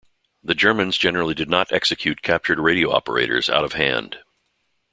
The Germans generally did not execute captured radio operators out of hand.